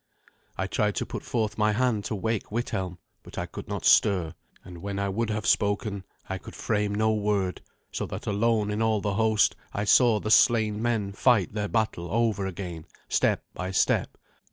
I tried to put forth my hand to wake Withelm, but I could not stir, and when I would have spoken, I could frame no word, so that alone in all the host I saw the slain men fight their battle over again, step by step.